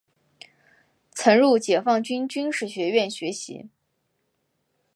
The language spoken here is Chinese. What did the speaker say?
曾入解放军军事学院学习。